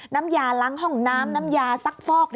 น้ำยาล้างห้องน้ำน้ำยาซักฟอก